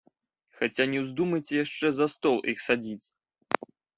Хаця не ўздумайце яшчэ за стол іх садзіць.